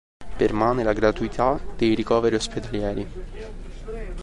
Permane la gratuità dei ricoveri ospedalieri.